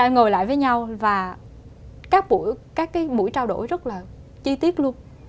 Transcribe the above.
ngồi lại với nhau và các buổi trao đổi rất là chi tiết luôn